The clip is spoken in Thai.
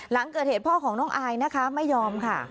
หลังเกิดเหตุพ่อของน้องอายนะคะไม่ยอมค่ะ